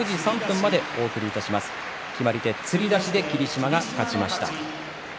決まり手はつり出しで霧島が勝ちました。